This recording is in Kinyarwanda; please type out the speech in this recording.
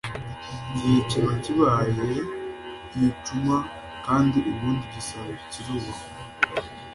igihe kiba kibaye igicuma, kandi ubundi igisabo kirubahwa